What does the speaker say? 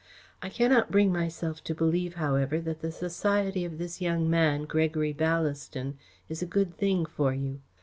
I cannot bring myself to believe, however, that the society of this young man, Gregory Ballaston, is a good thing for you.